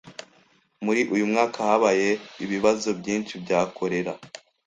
Muri uyu mwaka habaye ibibazo byinshi bya kolera